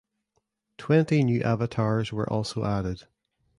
Twenty new avatars were also added.